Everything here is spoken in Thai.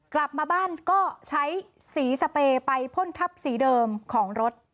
กลับมาบ้านก็ใช้สีสเปรย์ไปพ่นทับสีเดิมของรถ